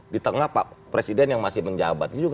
di tengah pak presiden yang masih menjabat